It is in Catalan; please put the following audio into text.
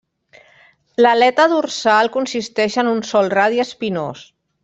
L'aleta dorsal consisteix en un sol radi espinós.